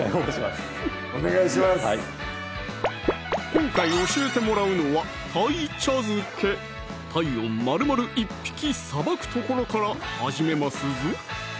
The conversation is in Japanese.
今回教えてもらうのは「鯛茶漬け」鯛をまるまる１匹さばくところから始めますぞ